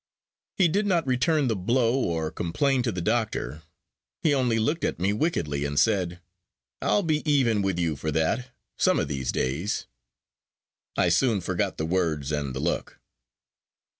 He did not return the blow, or complain to the doctor; he only looked at me wickedly, and said: "I'll be even with you for that, some of these days." I soon forgot the words and the look.